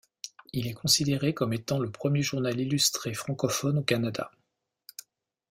Il est considéré comme étant le premier journal illustré francophone au Canada.